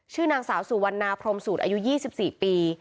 ชื่อนางสาวสุวรรณาพรมสูตรอายุ๒๔ปี